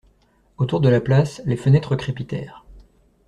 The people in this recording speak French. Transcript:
Autour de la place, les fenêtres crépitèrent.